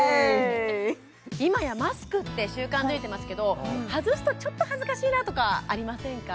今やマスクって習慣づいてますけど外すとちょっと恥ずかしいなとかありませんか？